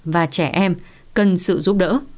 và trẻ em cần sự giúp đỡ